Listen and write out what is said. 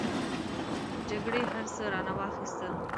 جګړې هر څه رانه واخستل.